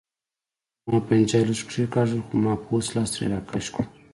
زما پنجه یې لږه کېګاږله خو ما پوست لاس ترې راکش کړو.